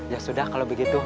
ya sudah kalau begitu